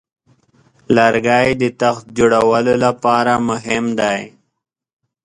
لرګی د تخت جوړولو لپاره مهم دی.